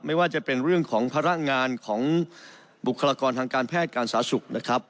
ไม่ว่าจะเป็นเรื่องของพลังงานของบุคลากรทางการแพทย์การสาธารณสุขนะครับ